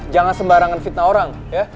jangan sembarangan fitnah orang